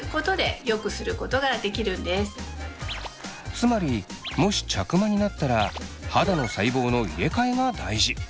つまりもし茶クマになったら肌の細胞の入れかえが大事。